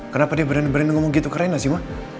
kenapa dia berani berani ngomong gitu ke rena sih ma